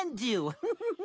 フフフフ！